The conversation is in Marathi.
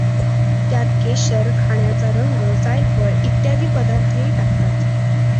त्यात केशर, खाण्याचा रंग, जायफळ इत्यादी पदार्थही टाकतात.